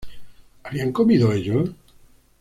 ¿habían comido ellos?